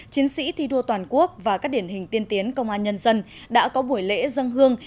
chiến sĩ thi đua toàn quốc và các điển hình tiên tiến công an nhân dân đã có buổi lễ dân hương